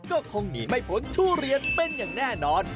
ก็คงหนีไม่พ้นทุเรียนเป็นอย่างแน่นอน